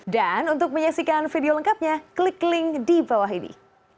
dan untuk menyaksikan video lengkapnya klik link di bawah ini